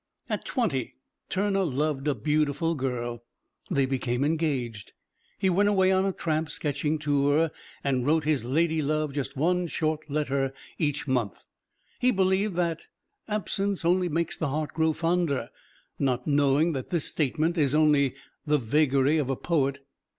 At twenty, Turner loved a beautiful girl they became engaged. He went away on a tramp sketching tour and wrote his ladylove just one short letter each month. He believed that "absence only makes the heart grow fonder," not knowing that this statement is only the vagary of a poet.